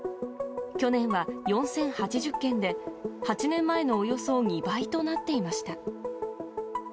去年は４０８０件で、８年前のおよそ２倍となっていました。